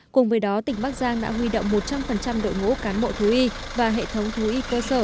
cùng với đó tỉnh bắc giang đã huy động một trăm linh đội ngũ cán bộ thú y và hệ thống thú y cơ sở